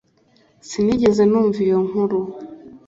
sinigeze numva iyo nkuru